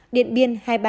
điện biên hai mươi ba